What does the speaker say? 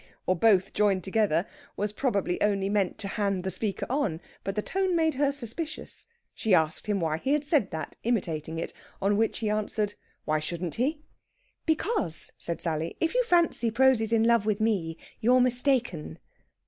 _ or h'm! or both joined together, was probably only meant to hand the speaker on, but the tone made her suspicious. She asked him why he said that, imitating it; on which he answered, "Why shouldn't he?" "Because," said Sally, "if you fancy Prosy's in love with me, you're mistaken."